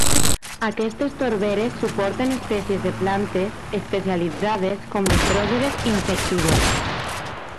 Aquestes torberes suporten espècies de plantes especialitzades com les dròseres insectívores.